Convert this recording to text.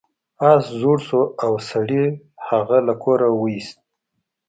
اس زوړ شو او سړي هغه له کوره وویست.